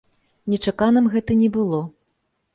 Нечаканым гэта не было.